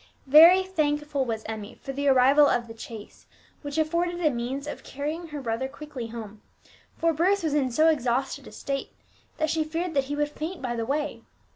Very thankful was Emmie for the arrival of the chaise, which afforded a means of carrying her brother quickly home; for Bruce was in so exhausted a state that she feared that he would faint by the way.